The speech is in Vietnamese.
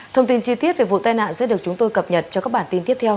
thông tin chi tiết về vụ tai nạn sẽ được chúng tôi cập nhật cho các bản tin tiếp theo